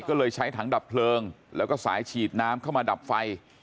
ก็เลยใช้ถังดับเพลิงแล้วก็สายฉีดน้ำเข้ามาดับไฟ